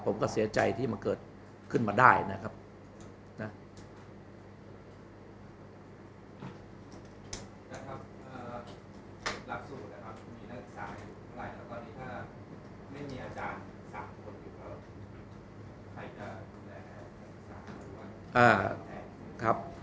ผมก็เสียใจที่มันเกิดขึ้นมาได้นะครับ